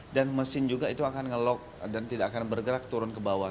dan mesin juga itu akan nge lock dan tidak akan bergerak turun ke bawah